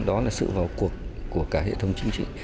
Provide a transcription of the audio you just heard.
đó là sự vào cuộc của cả hệ thống chính trị